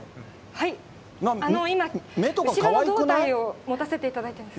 今、後ろの胴体を持たせていただいてます。